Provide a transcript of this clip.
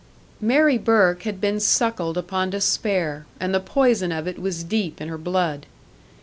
Mary Burke had been suckled upon despair, and the poison of it was deep in her blood.